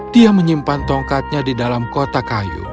dia menyimpan tongkatnya di dalam kotak kayu